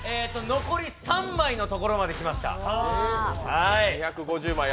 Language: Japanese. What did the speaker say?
残り３枚のところまで来ました。